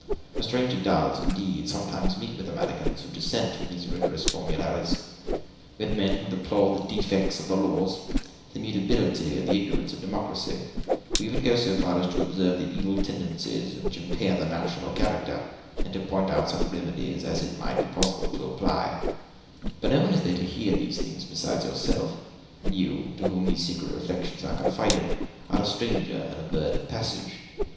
A stranger does, indeed, sometimes meet with Americans who dissent from these rigorous formularies; with men who deplore the defects of the laws, the mutability and the ignorance of democracy; who even go so far as to observe the evil tendencies which impair the national character, and to point out such remedies as it might be possible to apply; but no one is there to hear these things besides yourself, and you, to whom these secret reflections are confided, are a stranger and a bird of passage.